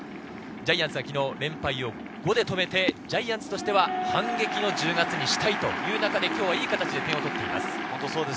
ジャイアンツは連敗を５で止めて、ジャイアンツとしては反撃の１０月にしたいという形で、いい形で点を取っています。